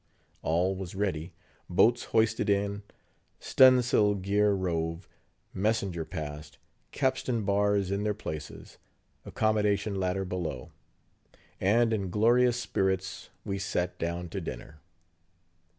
All was ready; boats hoisted in, stun' sail gear rove, messenger passed, capstan bars in their places, accommodation ladder below; and in glorious spirits, we sat down to dinner.